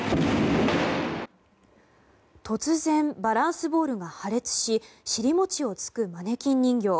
突然、バランスボールが破裂し尻もちをつくマネキン人形。